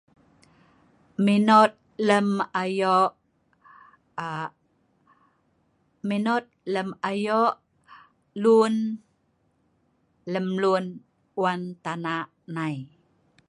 meinot lem ayok aa meinot lem ayok lun lem lun wan tanak nei